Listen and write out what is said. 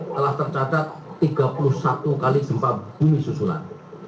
telah tercatat tiga puluh satu kali gempa bumi susulan